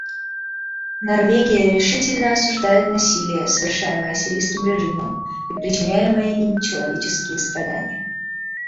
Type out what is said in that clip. Норвегия решительно осуждает насилие, совершаемое сирийским режимом, и причиняемые им человеческие страдания.